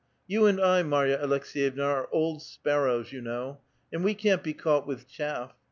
"You and I, Marya Aleks6 yevna, are old sparrows, you know ; and we can't be caught with chaff.